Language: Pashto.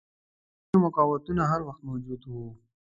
په پښتونخوا کې مقاوتونه هر وخت موجود وه.